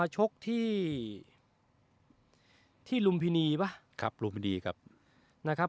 ชกที่ที่ลุมพินีปะครับครับนะครับ